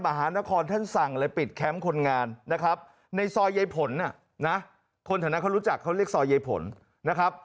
มหานครท่านสั่งเลยปิดแคมป์คนงานนะครับในซอยใยผลคนแถวนั้นเขารู้จักเขาเรียกซอยใยผลนะครับ